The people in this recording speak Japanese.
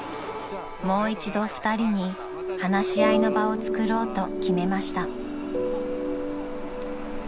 ［もう一度２人に話し合いの場をつくろうと決めました］